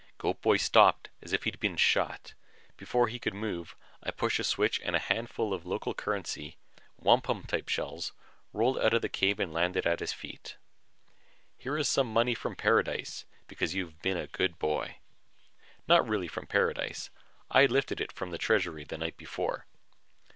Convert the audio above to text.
Goat boy stopped as if he'd been shot. Before he could move, I pushed a switch and a handful of the local currency, wampum type shells, rolled out of the cave and landed at his feet. "Here is some money from paradise, because you have been a good boy." Not really from paradise I had lifted it from the treasury the night before.